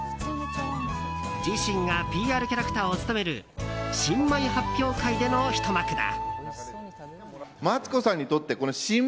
自身がＰＲキャラクターを務める新米発表会でのひと幕だ。